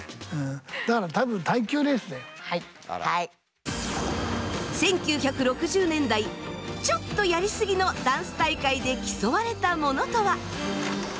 だから１９６０年代ちょっとやり過ぎのダンス大会で競われたものとは？